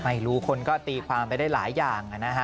ไม่รู้คนก็ตีความไปได้หลายอย่างนะฮะ